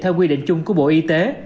theo quy định chung của bộ y tế